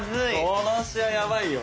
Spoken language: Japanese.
この試合ヤバいよ。